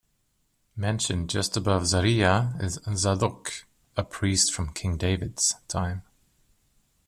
Mentioned just above Zariah is Zadok, a priest from King David's time.